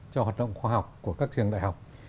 cho hoạt động khoa học của các trường đại học